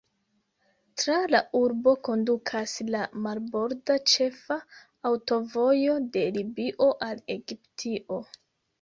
Tra la urbo kondukas la marborda ĉefa aŭtovojo de Libio al Egiptio.